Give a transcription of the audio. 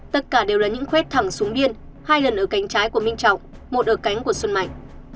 tất cả đều là những khuét thẳng xuống biên hai lần ở cánh trái của minh trọng một ở cánh của xuân mạnh